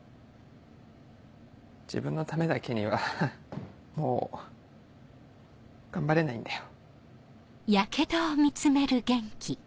自分のためだけにはもう頑張れないんだよ。